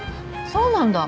そうなんだ。